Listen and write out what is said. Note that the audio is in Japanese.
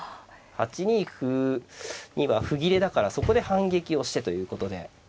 ８ニ歩には歩切れだからそこで反撃をしてということで。